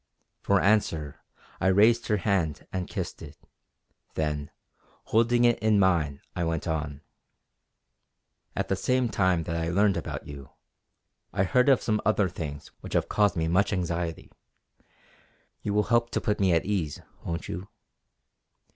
For answer I raised her hand and kissed it; then holding it in mine I went on: "At the same time that I learned about you, I heard of some other things which have caused me much anxiety. You will help to put me at ease, won't you?"